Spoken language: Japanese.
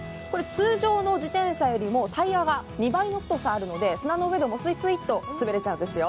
通常の自転車よりもタイヤが２倍の太さがあるので砂の上でもすいすいっと滑れちゃうんですよ。